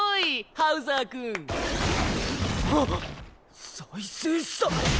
ハウザー君。はっ再生した⁉バシン！